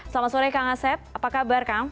selamat sore kang asep apa kabar kang